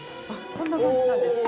こんな感じなんですよ。